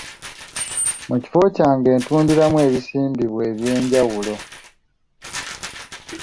Mu kifo kyange ntundiramu ebizimbisibwa eby'enjawulo.